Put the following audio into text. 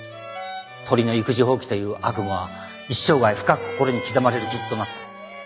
鳥の育児放棄という悪夢は一生涯深く心に刻まれる傷となった。